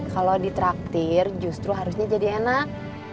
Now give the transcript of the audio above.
kalau ditraktir justru harusnya jadi enak